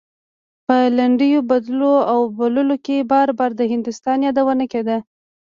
په لنډيو بدلو او بوللو کې بار بار د هندوستان يادونه کېده.